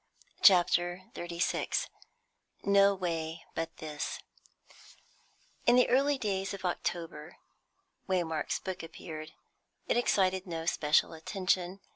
CHAPTER XXXVI NO WAY BUT THIS In the early days of October, Waymark's book appeared. It excited no special attention.